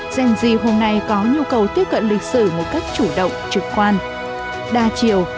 gen z hôm nay có nhu cầu tiếp cận lịch sử một cách chủ động trực quan đa chiều